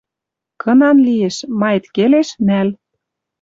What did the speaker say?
Кынан лиэш: маэт келеш — нӓл!